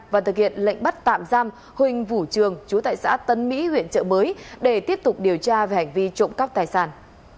và thực hiện lệnh bắt tạm giam huỳnh vũ trường chú tại xã tân mỹ huyện trợ mới để tiếp tục điều tra về hành vi trộm cắp tài sản